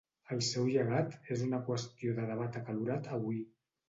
El seu llegat és una qüestió de debat acalorat avui.